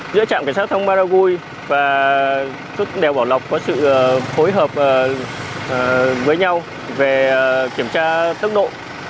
giữa trạm cảnh sát thông maragui và chốt đèo bảo lộc có sự phối hợp với nhau về kiểm tra tốc độ